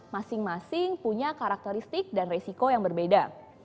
masing masing punya karakteristik dan resiko yang berbeda